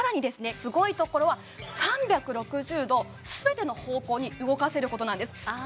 すごいところは３６０度全ての方向に動かせることなんですああ